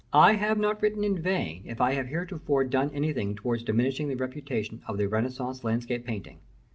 I have not written in vain if I have heretofore done anything towards diminishing the reputation of the Renaissance landscape painting.